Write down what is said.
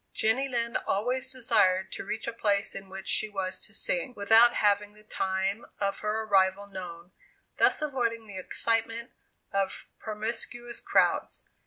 '" Jenny Lind always desired to reach a place in which she was to sing, without having the time of her arrival known, thus avoiding the excitement of promiscuous crowds.